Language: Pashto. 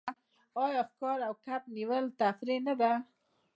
آیا ښکار او کب نیول تفریح نه ده؟